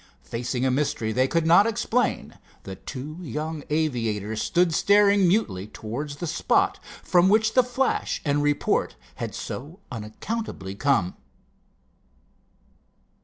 Facing a mystery they could not explain, the two young aviators stood staring mutely towards the spot from which flash and report had so unaccountably come.